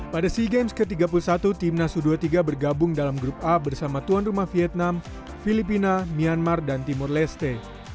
pada sea games ke tiga puluh satu timnas u dua puluh tiga bergabung dalam grup a bersama tuan rumah vietnam filipina myanmar dan timur leste